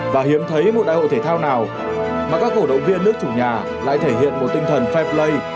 và hiếm thấy một đại hội thể thao nào mà các cổ động viên nước chủ nhà lại thể hiện một tinh thần fair play